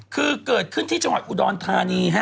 คือเกิดขึ้นที่จังหวัดอุดรธานีฮะ